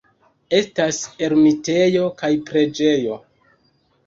Estas ermitejo kaj preĝejo.